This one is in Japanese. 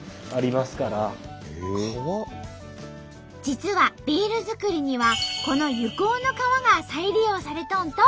実はビール作りにはこの柚香の皮が再利用されとんと！